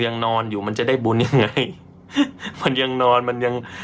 ยังนอนอยู่มันจะได้บุญยังไงมันยังนอนมันยัง